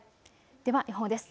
では予報です。